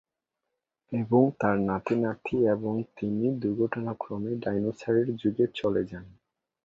এবং তার নাতি-নাতি এবং তিনি দুর্ঘটনাক্রমে ডাইনোসরের যুগে চলে যান।